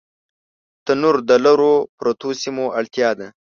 تنور د لرو پرتو سیمو اړتیا ده